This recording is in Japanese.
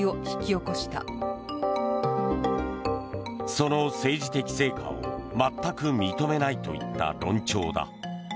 その政治的成果を全く認めないといった論調だ。